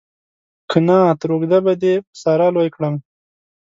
که نه تر اوږده به دې په ساره لوی کړم.